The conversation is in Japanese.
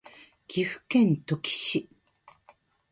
岐阜県土岐市